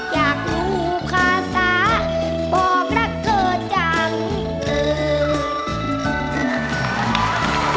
อยากรู้ภาษาบอกรักเธอจัง